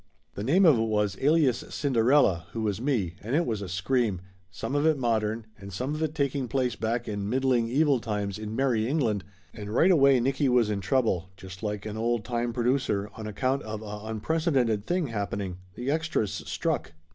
The name of it was Alias Cinderella, who was me, and it was a scream, some of it modern and some of it taking place back in Middling Evil times in Merry England, and right away Nicky was in trouble, just like an old time pro ducer, on account of a unprecedented thing happening. The extras struck.